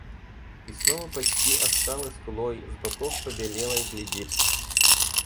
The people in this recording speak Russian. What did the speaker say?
И снова почти о скалы скулой, с боков побелелой глядит.